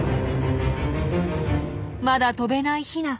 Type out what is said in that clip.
まだ飛べないヒナ。